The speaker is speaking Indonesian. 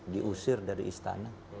diusir dari istana